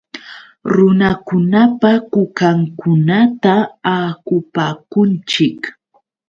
Runakunapa kukankunata akupakunchik.